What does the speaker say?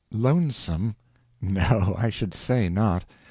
Lonesome! No, I should say not.